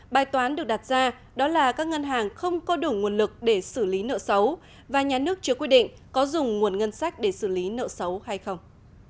bài toán được đặt ra đó là các ngân hàng không có đủ nguồn lực để xử lý nợ xấu và nhà nước chưa quy định có dùng nguồn ngân sách để xử lý nợ xấu hay không